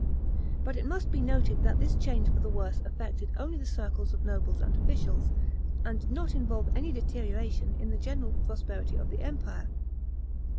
But it must be noted that this change for the worse affected only the circles of nobles and officials, and did not involve any deterioration in the general prosperity of the Empire.